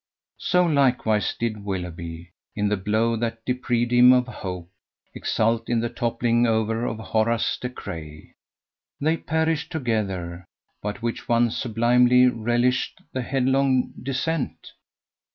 So likewise did Willoughby, in the blow that deprived him of hope, exult in the toppling over of Horace De Craye. They perished together, but which one sublimely relished the headlong descent?